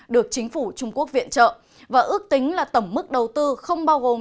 được chính phủ trung quốc viện trợ và ước tính là tổng mức đầu tư không bao gồm